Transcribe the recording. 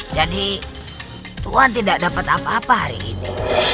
jadi tuhan tidak dapat apa apa hari ini